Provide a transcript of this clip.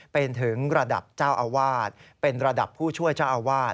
เป็นถึงระดับเจ้าอาวาสเป็นระดับผู้ช่วยเจ้าอาวาส